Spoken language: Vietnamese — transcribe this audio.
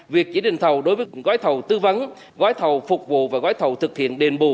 việc chỉ định thầu đối với gói thầu tư vấn gói thầu phục vụ và gói thầu thực hiện đền bù